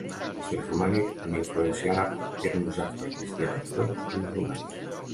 D'estil romànic amb influència àrab, eren usats per cristians, jueus i musulmans.